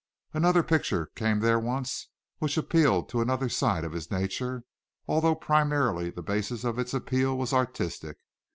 Another picture came there once, which appealed to another side of his nature, although primarily the basis of its appeal was artistic.